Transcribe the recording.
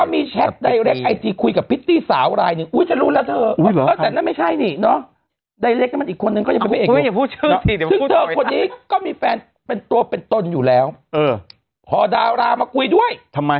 ไม่อยากยุ่งเรื่องพวกนี้เลย